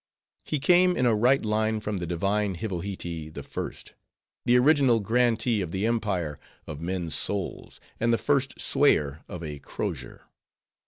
He came in a right line from the divine Hivohitee I.: the original grantee of the empire of men's souls and the first swayer of a crosier.